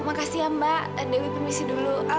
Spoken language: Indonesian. makasih ya mbak dewi permisi dulu